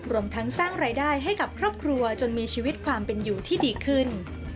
รวมทั้งสร้างรายได้ให้กับครอบครัวจนมีชีวิตความเป็นอยู่ที่ดีขึ้น